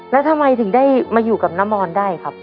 แล้วทำไมถึงได้มาอยู่กับน้ำมอนได้ครับ